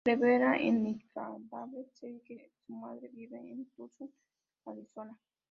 Se revela en "Nightcrawler" serie que su madre vive en Tucson, Arizona.